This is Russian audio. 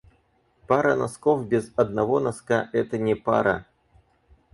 Пара носков без одного носка это не пара.